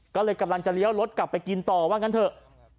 ก็เลยกำลังจะเลี้ยวรถกลับไปกินต่อว่างั้นเถอะ